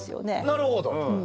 なるほど。